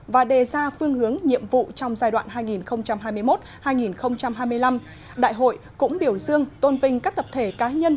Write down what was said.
và đề ra phương hướng nhiệm vụ trong giai đoạn hai nghìn hai mươi một hai nghìn hai mươi năm đại hội cũng biểu dương tôn vinh các tập thể cá nhân